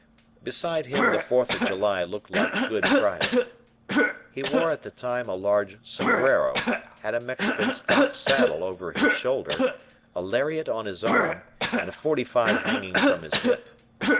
Beside him the Fourth of July looked like Good Friday. He wore at the time a large sombrero, had a Mexican stock saddle over his shoulder, a lariat on his arm, and a "forty five" hanging from his hip.